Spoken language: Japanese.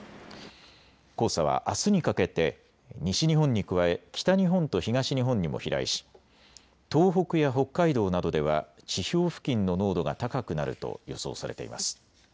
黄砂はあすにかけて西日本に加え北日本と東日本にも飛来し東北や北海道などでは地表付近の濃度が高くなると予想されています。